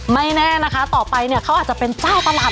ไม่แน่นะคะต่อไปเนี่ยเขาอาจจะเป็นเจ้าตลาด